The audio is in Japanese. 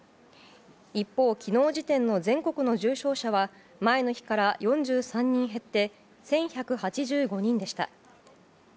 一方、昨日時点の全国の重症者は前の日から４３人減って１１８５人でした。